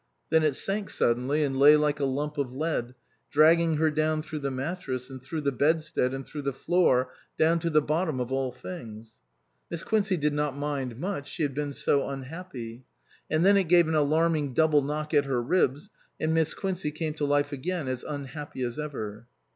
Then it sank suddenly and lay like a lump of lead, dragging her down through the mattress, and through the bedstead, and through the floor, down to the bottom of all things. Miss Quincey did not mind much ; she had been so unhappy. And then it gave an alarming double knock at her ribs, and Miss Quincey came to life again as unhappy as ever.